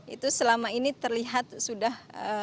itu selama ini terlihat sudah